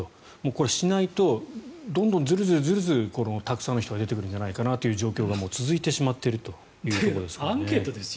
これはしないとどんどん、ずるずるたくさんの人が出てくるんじゃないかって情報が続いてしまっているということです。